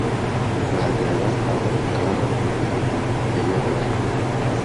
bahagarara aho ngaho imbere ya Yehova